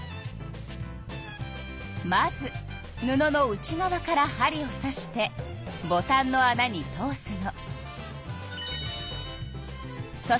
まず布の内側から針をさしてボタンのあなに通すの。